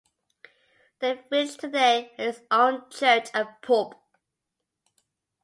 The village today has its own church and pub.